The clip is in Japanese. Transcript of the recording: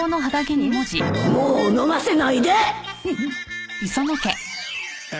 もうのませないでえ